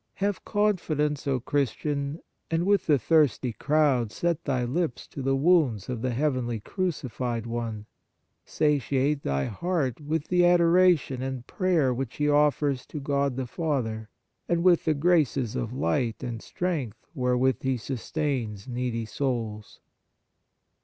Have confidence, O Christian, and with the thirsty crowd set thy lips to the wounds of the heavenly Crucified One, satiate thy heart with the adoration and prayer which He offers to God the Father, and with the graces of light and strength wherewith He sustains needy souls.